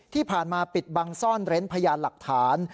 ที่ผ่านมาปิดบังซ่อนเร้นพยานหลักฐาน